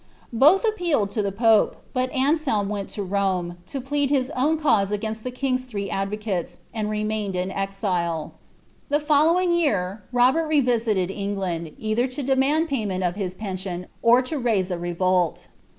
Both appealed to the pope, bm Ab Gelm went to Rome, to plead his own cause against the king's thrM advocates, and remained in exile. The following year Robert revisited England, either to demand pay ment of hia pension, or to raise a revolt.